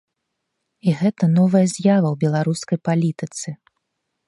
І гэта новая з'ява ў беларускай палітыцы.